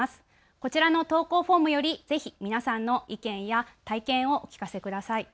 こちらの投稿フォームよりぜひ皆さんの意見や体験をお聞かせください。